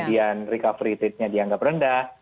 dan recovery rate nya dianggap rendah